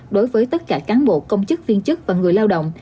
đối với tất cả cán bộ công chức viên chức và người lao động